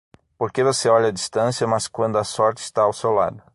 Por que você olha à distância, mas quando a sorte está ao seu lado.